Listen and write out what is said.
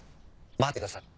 立ってください。